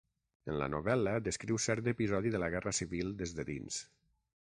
En la novel·la descriu cert episodi de la guerra civil des de dins.